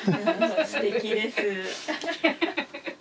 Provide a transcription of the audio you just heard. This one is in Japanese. すてきです。